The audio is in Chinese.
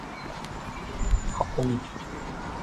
好风凭借力，送我上青云